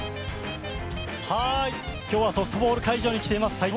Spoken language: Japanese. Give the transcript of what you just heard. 今日はソフトボール会場に来ています。